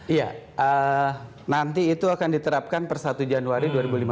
iya nanti itu akan diterapkan per satu januari dua ribu lima belas